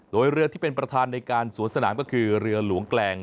โดยเรือที่เป็นประธานในการสวนสนามก็คือเรือหลวงแกลง